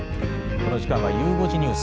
この時間はゆう５時ニュース。